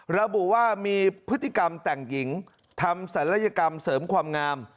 ระบุว่ามีพฤติกรรมแต่งหญิงทำศัลยกรรมเสริมความงาม